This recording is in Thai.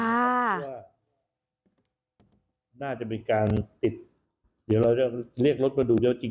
น่าจะเป็นการติดเดี๋ยวเราจะเรียกรถมาดู